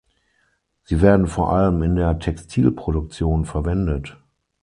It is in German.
Sie werden vor allem in der Textilproduktion verwendet.